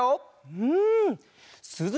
うん。